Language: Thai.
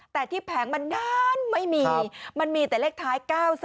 แต่ที่แผงมันนานไม่มีมันมีแต่เลขท้าย๙๓